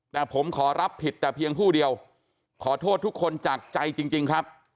แต่ผมขอรับผิดแต่เพียงผู้เดียวขอโทษทุกคนจากใจจริงครับ